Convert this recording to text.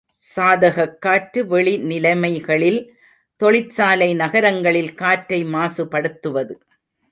சாதகக் காற்று வெளி நிலைமைகளில் தொழிற்சாலை நகரங்களில் காற்றை மாசுப்படுத்துவது.